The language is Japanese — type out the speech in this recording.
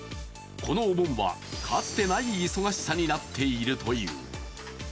このお盆はかつてない忙しさになっているという。